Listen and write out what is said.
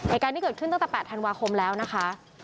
เหตุการณ์นี้เกิดขึ้นตั้งแต่๘ธันวาคมแล้วนะคะ